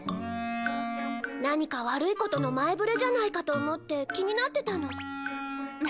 何か悪いことの前触れじゃないかと思って気になってたの。